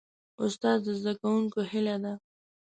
استاد د زدهکوونکو هیله ده.